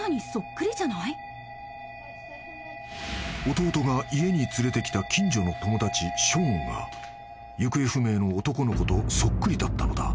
［弟が家に連れてきた近所の友達ショーンが行方不明の男の子とそっくりだったのだ］